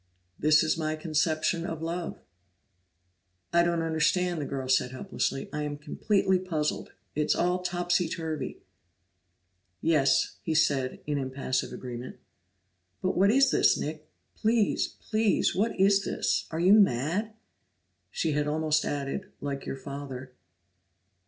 "This is my conception of love." "I don't understand!" the girl said helplessly. "I'm completely puzzled it's all topsy turvy." "Yes," he said in impassive agreement. "But what is this, Nick? Please, please what is this? Are you mad?" She had almost added, "Like your father."